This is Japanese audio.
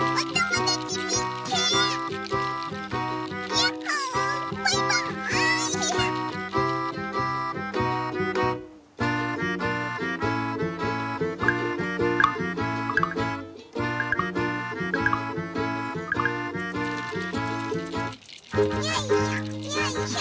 よいしょ。